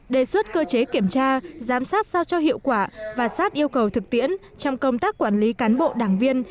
đề xuất cơ chế kiểm tra giám sát sao cho hiệu quả và sát yêu cầu thực tiễn trong công tác quản lý cán bộ đảng viên